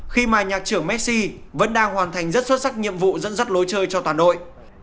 khi mà nhạc trưởng messi vẫn đang hoàn thành rất xuất sắc nhiệm vụ dẫn dắt lối chơi cho toàn đội